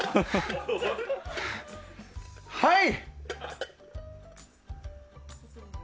はい！